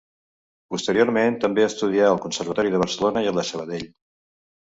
Posteriorment també estudià al Conservatori de Barcelona i al de Sabadell.